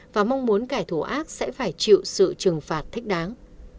và mong muốn kẻ thù ác sẽ phải chịu sự trừng phạt thích đáng